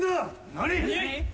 何？